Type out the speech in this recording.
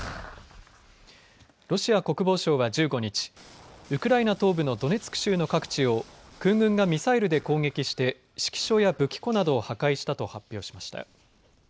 ロシア国防省は１５日ウクライナ東部のドネツク州の各地を空軍がミサイルで攻撃して指揮所や武器庫などを破壊したと発表しました。